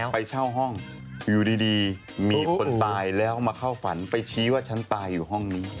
ไปเช่าห้องอยู่ดีมีคนตายแล้วมาเข้าฝันไปชี้ว่าฉันตายอยู่ห้องนี้